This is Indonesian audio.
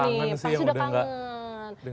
mas sudah kangen sih yang udah gak